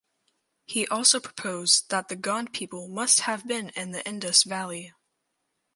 He also proposed that the Gond people must have been in the Indus Valley.